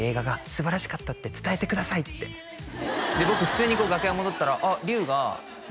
「すばらしかったって伝えてください」ってで僕普通に楽屋戻ったら「あっ隆が何か」